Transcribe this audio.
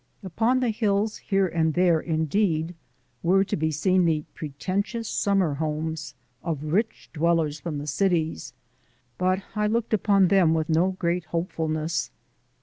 Upon the hills here and there, indeed, were to be seen the pretentious summer homes of rich dwellers from the cities, but I looked upon them with no great hopefulness.